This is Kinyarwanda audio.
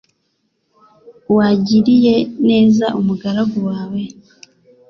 wagiriye neza umugaragu wawe